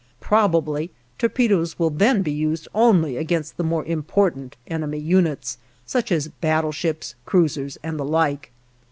Probably torpedoes will then be used only against the more important enemy units, such as battleships, cruisers, and the like.